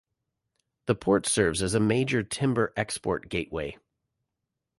The port serves as a major timber export gateway.